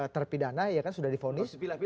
terpidanah sudah diponis